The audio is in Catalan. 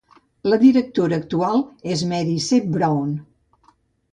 La directora actual es Mary C. Brown.